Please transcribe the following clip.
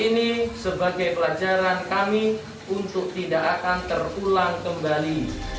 ini sebagai pelajaran kami untuk tidak akan terulang kembali